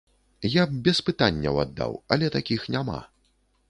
Я б без пытанняў аддаў, але такіх няма.